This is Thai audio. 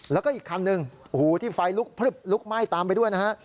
แล้วก็อีกคันนึงที่ไฟลุกลุกไหม้ตามไปด้วยนะฮะ